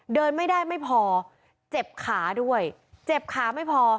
เดินไม่ได้ไม่พอเจ็บขาด้วยเจ็บขาไม่พอ